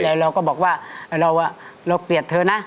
แล้วเราก็บอกว่าเราเปรียบเธอนะ